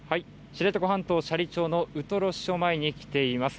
知床半島斜里町のウトロ支所前に来ています。